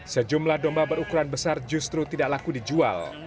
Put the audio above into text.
sejumlah domba berukuran besar justru tidak laku dijual